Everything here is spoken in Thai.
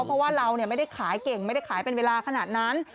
เพราะว่าเราไม่ได้ขายเก่งไม่ได้ขายเป็นเวลาขนาดนั้น